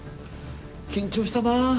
緊張したなあ。